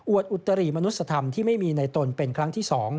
อุตรีมนุษยธรรมที่ไม่มีในตนเป็นครั้งที่๒